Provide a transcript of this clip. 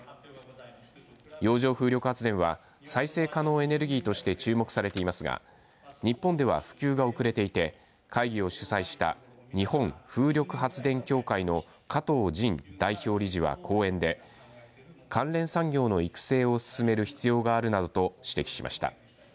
洋上風力発電は再生可能エネルギーとして注目されていますが日本では普及が遅れていて会議を主催した日本風力発電協会の加藤仁代表理事は講演で関連産業の育成を進める必要があるなどと指摘しました。